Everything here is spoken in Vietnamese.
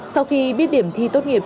sau khi biết điểm thi tốt nghiệp